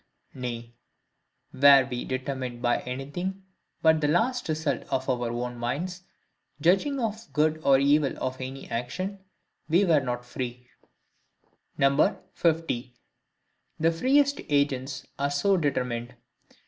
Nay, were we determined by anything but the last result of our own minds, judging of the good or evil of any action, we were not free. 50. The freest Agents are so determined.